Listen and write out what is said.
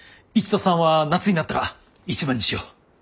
１と３は夏になったら１番にしよう。